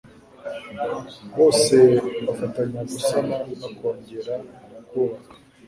bose bafatanya gusana no kongera kubaka